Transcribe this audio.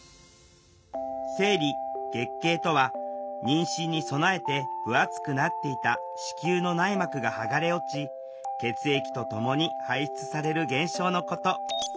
生理とは妊娠に備えて分厚くなっていた子宮の内膜が剥がれ落ち血液とともに排出される現象のこと。